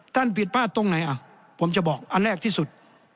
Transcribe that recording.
ผิดพลาดตรงไหนอ่ะผมจะบอกอันแรกที่สุด